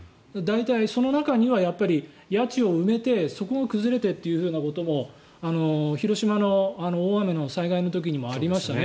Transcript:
その中には谷地を埋めてそこが崩れてということも広島の大雨の災害の時にもありましたね